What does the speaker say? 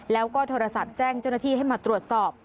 แล้วก็โทรศัพท์แจ้งเจ้าหน้าที่ให้มาตรวจสอบ